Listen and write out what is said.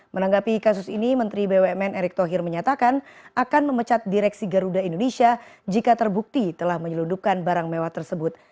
menanggapi kasus ini menteri bumn erick thohir menyatakan akan memecat direksi garuda indonesia jika terbukti telah menyelundupkan barang mewah tersebut